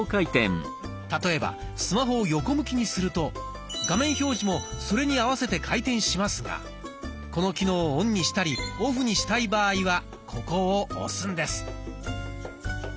例えばスマホを横向きにすると画面表示もそれに合わせて回転しますがこの機能をオンにしたりオフにしたい場合はここを押すんです。